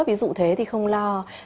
ví dụ thế thì không lo